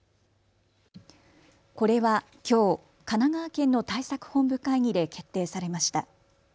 これはきょう、神奈川県の対策本部会議で決定されました。